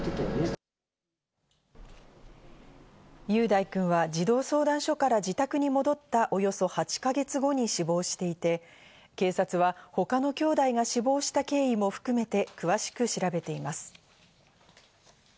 雄大くんは児童相談所から自宅に戻ったおよそ８か月後に死亡していて、警察は他のきょうだいが死亡した経緯も含めて詳しく調べています。